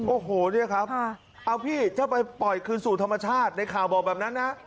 โอ้โหเนี่ยครับเอาพี่ถ้าไปปล่อยคืนสู่ธรรมชาติในข่าวบอกแบบนั้นนะ